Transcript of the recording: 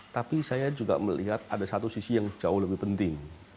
tapi saya juga melihat ada satu sisi yang jauh lebih penting